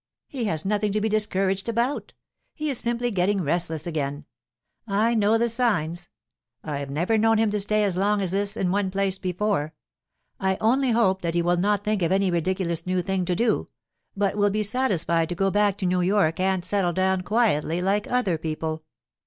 he has nothing to be discouraged about; he is simply getting restless again. I know the signs! I've never known him to stay as long as this in one place before. I only hope now that he will not think of any ridiculous new thing to do, but will be satisfied to go back to New York and settle down quietly like other people.